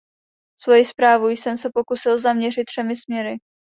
Svoji zprávu jsem se pokusil zaměřit třemi směry.